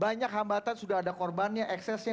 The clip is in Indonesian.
banyak hambatan sudah ada korbannya eksesnya